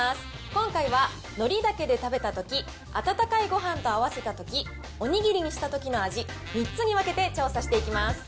今回はのりだけで食べたとき、温かいごはんと合わせたとき、お握りにしたときの味、３つに分けて調査していきます。